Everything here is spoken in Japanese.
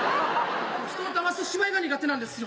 人をだます芝居が苦手なんですよ。